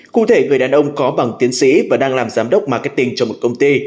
cụ thể người đàn ông có bằng tiến sĩ và đang làm giám đốc marketing cho một công ty